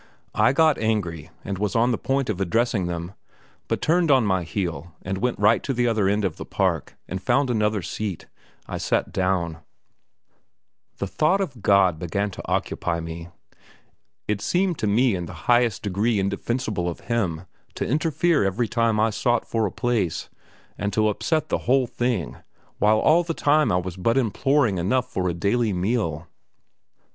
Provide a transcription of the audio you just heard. I got angry and was on the point of addressing them, but turned on my heel and went right to the other end of the Park, and found another seat. I sat down. The thought of God began to occupy me. It seemed to me in the highest degree indefensible of Him to interfere every time I sought for a place, and to upset the whole thing, while all the time I was but imploring enough for a daily meal.